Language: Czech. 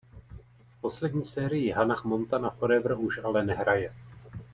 V poslední serii Hannah Montana Forever už ale nehraje.